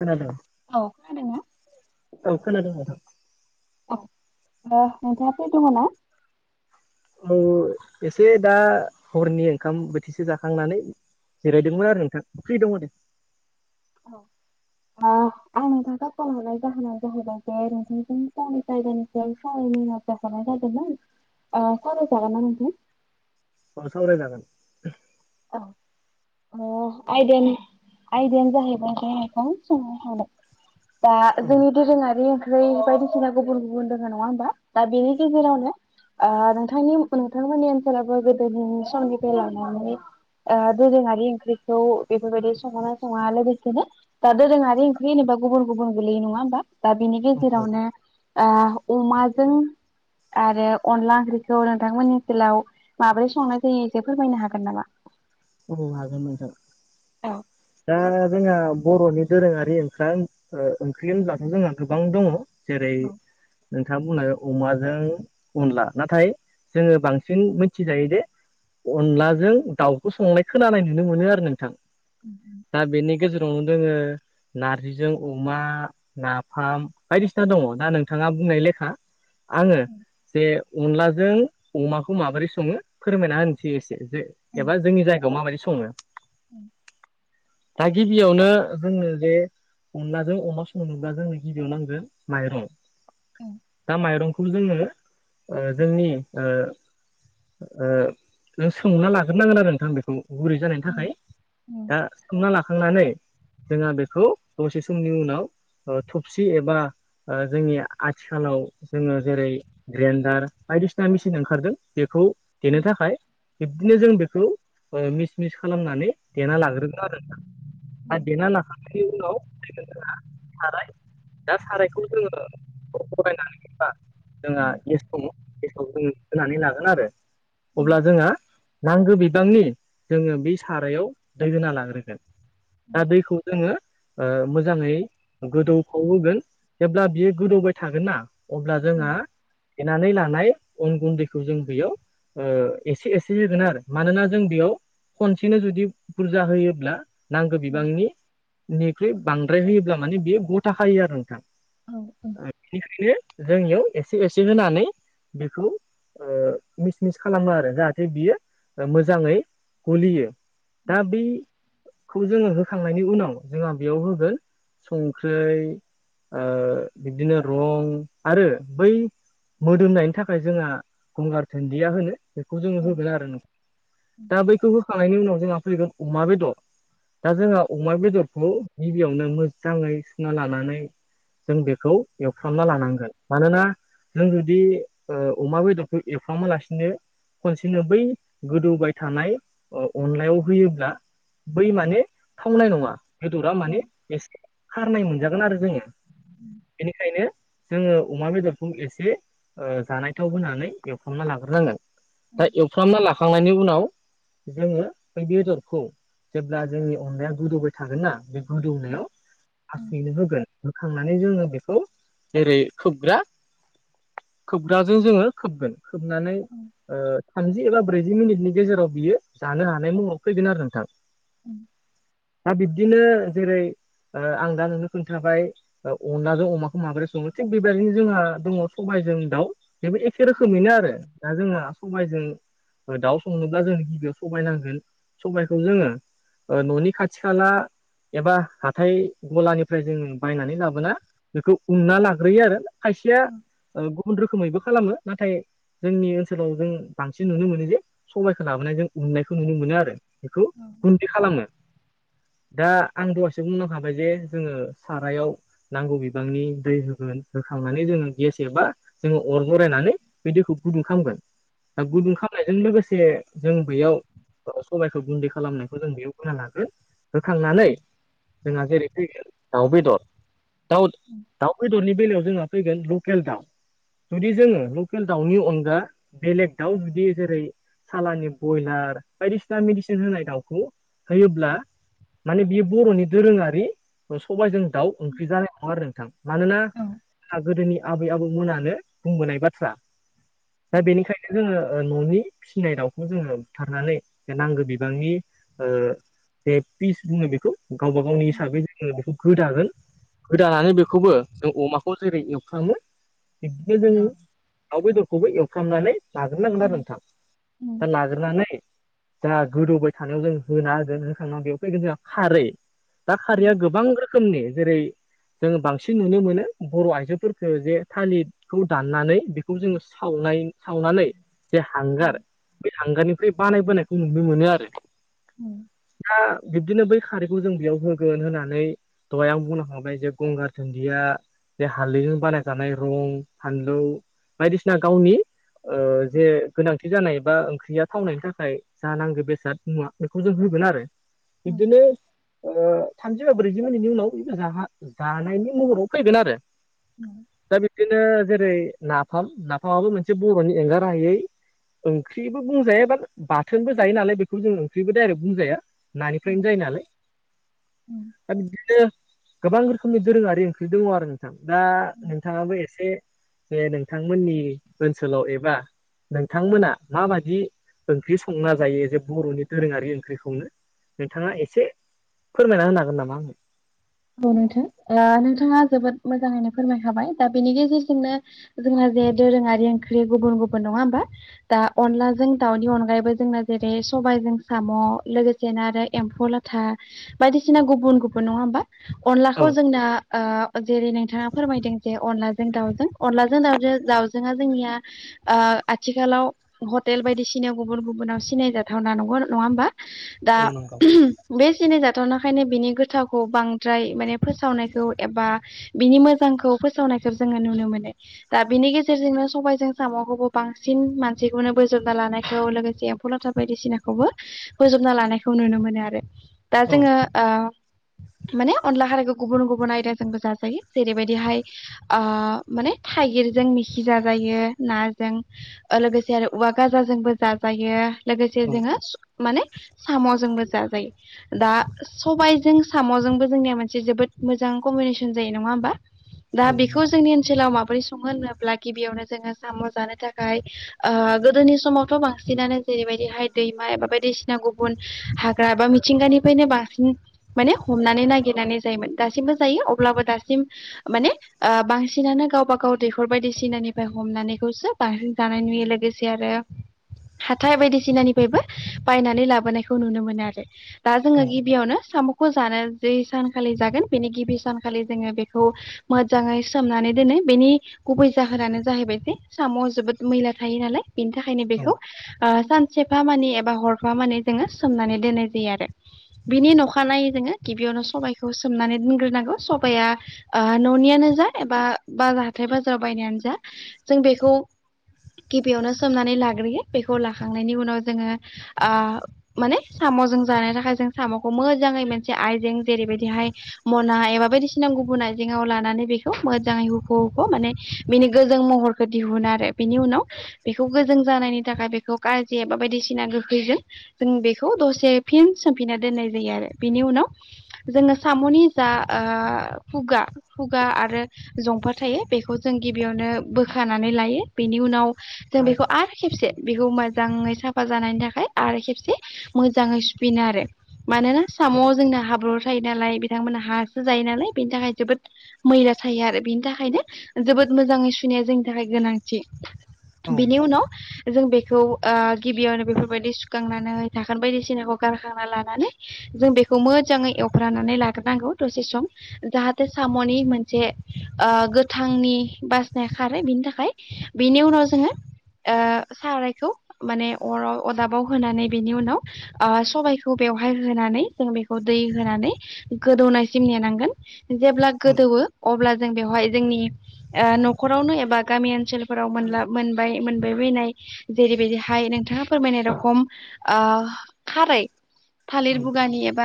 खोनादों औ खानादोंना? औ खोनादों नोंथां औ नोंथाङा फ्रि दङना? औ एसे दा हरनि ओंखाम बोथिसे जाखांनानै जिरायदोंमोन आरो नोंथां फ्रि दं दे। औ। ओ [inaudible] आं नोंथांखौ कल हरनाय जाहोनानो जाहैबाय बे नोंथांजों [unintelligible] आ सावराय जागोन ना नोंथां? खौनो सावरायजागोन औ अ आयदानो आयदायानो जाहैबाय [unintelligible] दा औ जोंनि दोरोङारि बै बायदिसिना गुबुन गुबुन दोङो नङा होमबा दा बेनि गेजेरावनो नोंथांनि नोंथांमोननि ओनसोलावबो गोदोनि समनिफ्राय लानानै दोरोङारि ओंख्रिखौ बेफोरबायदि सङोना सङा लोगोसेनो दा दोरोङारि ओंख्रि होनोबा गुबुन गुबुन गोलैयो नङा होमबा दा बिनि औ औ गेजेरावनो अमाजों आरो अनला ओंख्रिखौ नोंथांमोननि ओनसोलाव माबोरै संनाय जायो एसे फोरमायनो हागोन नामा? औ हागोन नोंथां औ दा जोंहा बर'नि दोरोङारि ओंखाम ओंख्रि होनब्लाथ' जोंहा गोबां दङ जेरै औ नोंथाङा बुंनाय अमाजों अनला नाथाय जोङो बांसिन मिथिजायो दि अनलाजों दाउखौ संनाय खोनानाय नुनो मोनो आरो नोंथां। [inaudible] दा बेनि गेजेरावनो दोङो नारजिजों अमा नाफाम बायदिसिना दङ दा नोंथाङा बुंनाय लेखा आङो जे अनलाजों अमाखौ माबोरै सङो फोरमायना होनोसै एसे जे बा जोंनि जायगायाव माबायदि सङो औ दा गिबियावनो जोंनो जे अनलाजों अमा संनोब्ला जोंनो गिबियाव नांगोन माइरं उम उम दा माइरंखौ जोंङो जोंनि सौना लाग नांगोन आरो नोंथां बेखौ गुरै जानायनि थाखाय उम दा सोमना लाखांनानै जोंहा बेखौ दसे समनि उनाव थबसि एबा जोंनि आथिखालाव जोंङो जेरै ग्रेन्डार बायदिसिना मेचिन ओंखारदों बेखौ उम देनो थाखाय। बिदिनो जों बेखौ मिस मिस खालामनानै देना लाग्रोगोन आरो नोंथां। आरो देना लाखांनायनि उनाव [unintelligible] दा सारायखौ जोंङो अर लगायनानै [unintelligible] जोंहा उम गेस दङ गेसआव जोंङो होनानै लागोन आरो उम अब्ला जोंहा नांगौ बिबांनि जोंङो बे सारायाव दैहोना लाग्रोगोन। दा दैखौ जोंङो मोजांङै गोदौफाव होगोन। जेब्ला बियो गोदौबाय थागोन ना अब्ला उम जोंहा देनानै लानाय अन गुन्दैखौ जों बेयाव एसे एसे होगोन आरो। मानोना जों बेयाव खनसेनो जुदि बुरजा होयोब्ला नांगौ उम बिबांनि निख्रुइ बांद्राय होयोब्ला माने बेयो गथा खायो आरो नोंथां ओ बेनिखायनो जों इयाव एसे एसे होनानै बेखौ ओ मिस मिस खालामो आरो जोंनिथिं जा मोजांङै गलियो दा बे खौ जोंङो होखांनायनि उनाव जोंहा बेयाव होगोन संख्रै ओ बिदिनो रं आरो बै मोदोमनायनि थाखाय जोंहा गंगार दुनदिया होनो बेखौ जोंङो होगोन आरो दा बैखौ होखांनायनि उनाव जोंहा फैगोन अमा बेदर दा जोंहा अमा बेदरखौ गिबियावनो मोजांङै सुना लानानै जों बेखौ एवफ्रामना लानांगोन मानोना जों जुदि ओ अमा बेदरखौ एवफ्रामा लासिनो खनसेनो बै गोदौबाय थानाय अ अनलायाव होयोब्ला बै माने थावनाय नङा बेदरा माने एसे खारनाय मोनजागोन आरो जोंङो बेनिखायनो जोंङो अमा बेदरखौ एसे ओ जानाय थाव होनानै एवफ्रामना लाग्रोनांगोन दा एवफ्रामना ला उनाव जोंङो बे बेदरखौ जेब्ला जोंनि अनलाया गोदौबाय थागोन ना बे गोदौनायाव हारसिङैनो होगोन होखांनानै जोंङो बेखौ जेरै खोबग्रा खोबग्राजों जोंङो खोबगोन खोबनानै [inaudible] ओ थामजि एबा ब्रैजि मिनिटनि गेजेराव बियो जानो हानाय मुङाव फैगोन आरो नोंथां [inaudible] दा बिब्दिनो जेरै ओ आं दा नोंनो खोन्थाबाय ओ अनलाजों अमाखौ माबोरै संङो थिग बेबायदिनो जोंहा दङ सबाइजों दाउ बेबो एखे रोखोमैनो आरो दा जोंहा सबायजों दाउ संनोब्ला जों गिबियाव सबाय नांगोन सबायखौ जोंङो न'नि खाथि खाला एबा हाथाय गलानिफ्राय जोंङो बायनानै लाबोना बेखौ उनना लाग्रोयो आरो खायसेया ओ गुबुन रोखोमैबो खालामो नाथाय जोंनि ओनसोलाव जों बांसिन नुनो मोनो जे जे सबायखौ लाबोनायजों उनायखौ नुनो मोनो आरो बेखौ बिदि खालामो दा आं दहायसो बुंलांखाबाय जे जोंङो सारायाव नांगौ बिबांनि दै होगोन होखांनानै जोंङो गेस एबा जोङो अर जरायनानै बे दैखौ गुदुं खालामगोन दा गुदुं खाम होननायजों लोगोसे जों बैयाव अ सबायखौ गुन्दै खालामनायखौ जों बेयाव होना लागोन होखांनानै जोंहा जेरै फैगोन दाउ बेदर दाउ दाउ बेदरनि बेलायाव जोंहा फैगोन लकेल दाउ जुदि जोङो लकेल दाउनि अनगा बेलेग दाउ जुदि जेरै सालानि ब्रयलार बायदिसिना मेडिसिन होनाय दाउखौ होयोब्ला माने बियो बर'नि दोरोङारि अ सबायजों दाव ओंख्रि जानाय नङा आरो नोंथां मानोना जोंहा जोंनि आबै आबौमोनानो बुंबोनाय बाथ्रा दा बेनिखायनो जोङो ओ न'नि फिसिनाय दाउखौ जोङो बुथारनानै बे नांगौ बिबांनि ओ जे पिस बुङो बेखौ गावबा गावनि हिसाबै जो बेखौ गोदागोन गोदानानै बेखौबो जों अमाखौ जेरै एवफ्रामो बिबदिनो जों दाउ बेदरखौबो एवफ्रामनानै लाग्रो नांगोन आरो नोंथां दा लागोरनानै दा गोदौबाय थानायाव जों होना होगोन होखांनानै बेयाव फैगोन जोंहा खारै दा खारैया गोबां रोखोमनि जेरै जों बांसिन नुनो मोनो बर' आइजोफोरखो‌ जे थाल खौ दाननानै बेखौ जोङो सावनाय सावनानै जे हांगार बे हांगारनिफ्राय बानाय बोनायखौ नुनो मोनो आरो। उम दा बिब्दिनो बै खारैखौ जों बेयाव होगोन होनानै दहाय आं बुंलांखांबाय जे गंगार दुनदिया बेे हालदैजों बानायजानाय रं फानलौ बायदिसिना गावनि ओ जे गोनांथि जानाय बा ओंख्रिया थावनायनि थाखाय जा नांगौ बेसाद मुवा बेखौ जों होगोन आरो। बिब्दिनो थामजिबा ब्रैजि मानिनि उनाव जानायनि महराव फैगोन आरो दा बिदिनो जेरै नाफाम नाफामाबो मोनसे बर'नि एंगारहायै ओंख्रिबो बुंजाया बा बाथोनबो जायो नालाय बेखौ जों ओंख्रिबो दडाइरेक्ट बुंजाया नानिफ्रायनो जायो नालाय दा बिदिनो गोबां रोखोमनि दोरोङारि ओंख्रि दङ आरो नोंथां दा नोंथाङाबो एसे बे नोंथांमोननि ओनसोलाव एबा नोंथांमोना माबायदि ओंख्रि संना जायो जे बर'नि दोरोङारि ओंख्रिखौनो? नोंथाङा एसे फोरमायना होनो हागोन नामा आंनो? औ नोंथां नोंथाङा जोबोद मोजाङैनो फोरमायखाबाय दा बेनि गेजेरजोंनो जोंना जे दोरोङारि ओंख्रि गुबुन गुबुन नङा होमबा? दा अनलाजों दाउनि अनगायैबो जोंना जेरै सबायाइजों साम' लोगोसे बिदिनो आरो एम्फौ लाथा बायदिसिना गुबुन गुबुन नङा होमबा? अनलाखौ औ जोंना ओ जेरै नोंथाङा फोरमायदों जे अनलाजों दाउजों अनलाजों दाउजों दाउजोंआ जोंनिया ओ आथिखालाव हटेल बायदिसिनायाव गुबुन गुबुनाव सिनाय जाथावना नंगौ नङा होमबा? दा औ नंगौ बे सिनायजाथावनाखायनो बिनि गोथावखौ बां द्राय माने फोसावनायखौ एबा बिनि मोजांखौ फोसावनायखौ जोङो नुनो मोनो। दा बिनि गेजेरजोंनो सबायजों साम'खौबो बांसिन मानसिखौनो बोजोबना लानायखौ लोगोसे कलाथा बायदिसिनाखौबो फोजोबना लानायखौ नुनो मोनो आरो दा औ जोङो ओ माने अनला खारायखौ गुबुन गुबुन आयदाजोंबो जाजायो जेरैबायदिहाय माने थाइगिरजों मिखि जाजायो नाजों लोगोसे आरो औवा गाजाजोंबो जाजायो। लोगोसे औ जोङो माने साम'जोंबो जाजायो दा सबायजों सा साम'जोंबो जोंनिया मोनसे जोबोद मोजां कम्बिनेसन जायो नङा होमबा? दा बेखौ नंगौ जोंनि ओनसोलाव माबोरै सङो होनोब्ला गिबियावनो जोङो साम' जानो थाखाय गोदोनि समावथ' बांसिनानो जेरैबायदिहाय दैमा एबा बायदिसिना गुबुन हाग्रा बा मिथिंगानिफ्रायनो बांसिन माने हमनानै नागिरनानै जायोमोन दासिमबो जायो अब्लाबो दासिम माने बांसिनानो गावबा गाव दैखर बायदिसिनानिफ्राय हमनानैखौसो बांसिन जानाय नुयो लोगोसे आरो हाथाइ बायदिसिनानिफ्रायबो बायनानै लाबोनायखौ नुनो मोनो आरो। दा जोङो गिबियावनो साम'खौ जानो जि सानखालि जागोन बेनि गिबि सानखालि जोङो बेखौ मोजाङै सोमनानै दोनो बेनि गुबै जाहोनानो जाहैबायसे साम'आव जोबोद मैला थायो नालाय बेनि थाखायनो औ बेखौ सान सेफा मानि एबा हरफा मानि जोङो सोमनानै दोननाय जायो आरो बिनि न'खा अखानायै जोङो गिबियावनो सबायखौ सोमनानै दोनग्रोनांगौ सबाया न'नियानो जा एबा बा हाथाय बाजाराव बायनायानो जा जों बेखौ गिबियावनो सोमनानै लाग्रोयो बेखौ लाखांनायनि उनाव जोङो आ माने साम'जों जानो थाखाय जों साम'खौ मो मोजाङै मोनसे आइजें जेरैबायदिहाय मना एबा बायदिसिना गुबुन आइजें लानानै बेखौ मोजाङै हुख' हुख' माने बिनि गोजों महर खौ दिहुन आरो बिनि उनाव बेखौ गोजों जानायनि थाखाय बेखौ गाज्रि एबा बायदिसिना गोखैजों जों बेखौ दसे फिन सोमफिना दोननाय जायो आरो बेनि उनाव जोङो साम'नि जा ओ खुगा खुगा आरो जंफा थायो बेखौ जों गिबियावनो बोखानानै लायो बेनि उनाव जों बेखौ आरो खेबसे बेखौ मोजाङै साफा जानायनि थाखाय आरो खेबसे मोजाङै सुफिनो आरो मानोना साम' जोंना हाब्रु थायो नालाय बिथांमोना हासो जायो नालाय बेनि थाखाय जोबोद मैला थायो आरो बेनि थाखायनो जोबोद मोजाङै सुनाया जोंनि थाखाय गोनांथि। औ बेनि उनाव जों बेखौ ओ गिबियावनो बेफोरबायदि सुखांनानै थाखोन बायदिसिनाखौ गारखांना लानानै जों बेखौ मोजाङै एवफ्रानानै लाग्रोनांगौ दसे सम। जाहाथे साम'नि मोनसे ओ गोथांनि बासिनाया खारो बिनि थाखाय। बेनि उनाव जोङो ओ सारायखौ माने अराव अदाबाव होनानै बेनि उनाव ओ सबाइखौ बेवहाय होनानै जों बेखौ दै होनानै गोदौनायसिम नेनांगोन जेब्ला गोदौवो अब्ला जों बेवहाय जोंनि ओ न'खरावनो एबा गामि ओनसोलफोराव मोनला मोनबाय-मोनबाय बायनाय जेरैबायदिहाय नोंथाङा फोरमायनाय रखम ओ खारै फाथ मुगानि एबा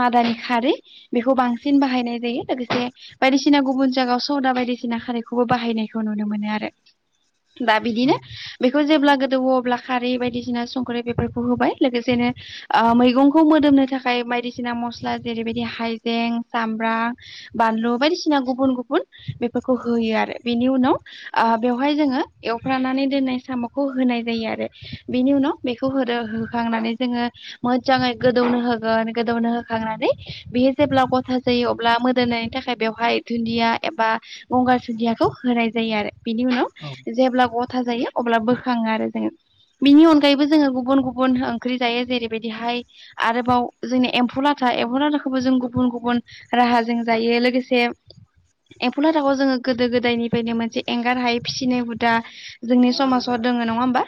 मादानि खारै बेखौ बांसिन बाहायनाय जायो लोगोसे बायदिसिना गुबुन जायगायाव सदा बायदिसिना खारखौबो बाहायनायखौ नुनो मोनो आरो। दा बिदिनो बेखौ जेब्ला गोदौवो अब्ला खारै बायदिसिना संख्रि बेफोरखौ होबाय लोगोसेनो ओ मैगंखौ मोदोमनो थाखाय बायदिसिना मस्ला जेरैबायदि हाइजें सामब्राम बानलु बायदिसिना गुबुन-गुबुन बेफोरखौ होयो आरो बेनि उनाव ओ बेवहाय जोङो एवफ्रानानै दोननाय साम'खौ होनाय जायो आरो बेनि उनाव बेखौ होदो होखांनानै जोङो मोजाङै गोदौनो होगोन गोदौनो होखांनानै बेहाय जेब्ला गथा जायो अब्ला मोदोमनायनि थाखाय बेवहाय दुन्दिया एबा गंगार दुुनदियाखौ होनाय जायो आरो बिनि उनाव जेब्ला ग था जायो अब्ला बोखाङो आरो जोङो। बिनि अनगायैबो जोङो गुबुन-गुबुन ओंख्रि जायो जेरैबायदिहाय आरोबाव जोंनि एम्फौ लाथा एम्फौ लाथाखौबो जों गुबुन-गुबुन राहाजों जायो लोगोसे एम्फौ लाथाखौ जोङो गोदो गोदायनिफ्रायनो मोनसे एंगार हायै फिसिनाय हुदा जोंनि समाजाव दोङो नङा होमबा।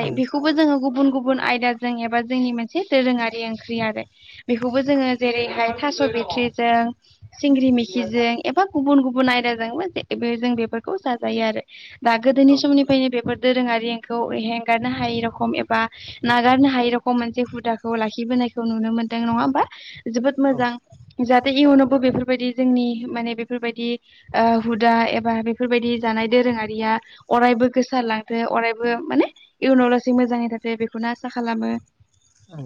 औ बेखौबो जोङो गुबुन-गुबुन आयदाजों एबा जोंनि मोनसे दोरोङा रि ओंख्रि आरो बेखौबो जोङो जेरैहाय थास' बिथ्रिजों सिंग्रि मिखिजों एबा गुबुन-गुबुन आयदाजोंबो जे बे जों बेफोरखौ जाजायो आरो। बा गोदोनि समनिफायनो बेफोर दोरोङारिखौ हेंगारनो हायै रखम एबा नागारनो हायै रखम मोनसे हुदाखौ लाखिबोनायखौ नुनो मोनदों नङा होमबा जोबोद मोजां। जाहाथे इयुनावबो बेफोरबायदि जोंनि माने बेफोर बायदि ओ हुदा एबा बेफोरबायदि जानाय दोरोङारिया अरायबो गोसार लांथो अरायबो माने इयुनाव लासै मोजाङै थाथो बेखौनो आसा खालामो।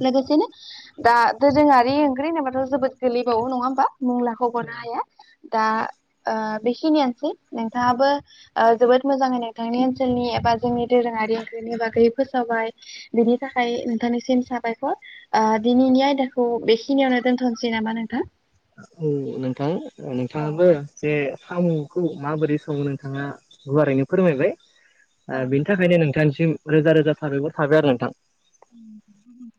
लोगोसे दा दोरोङारि ओंख्रि होनोबाथ' जोबोद गोलैबावो नङा होमबा मुंलाख'गनो हाया। दा ओ बेखिनियानोसै नोंथाङाबो ओ जोबोद मोजांनो नोंथांनि ओनसोलनि एबा जोंनि दोरोङारि ओंख्रिनि बागै फोसावबाय। बिनि थाखाय नोंथांनिसिम साबायखर। ओ दिनैनि आयदाखौ बेखिनियावनो दोनथ'नोसै नामा नोंथां? औ नोंथां औ नोंथाङाबो जे सामुखौ माबोरै सङो नोंथाङा गुवारैनो फोरमायबाय औ ओ बेनि था बेनि थाखायनो नोंथांसिम रोजा रोजा साबाखर थाबाय आरो नोंथां [inaudible]